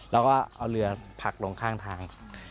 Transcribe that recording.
แล้วก็เอาเรือผลักลงข้างทาง